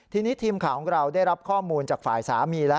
ทีนี้ทีมข่าวของเราได้รับข้อมูลจากฝ่ายสามีแล้ว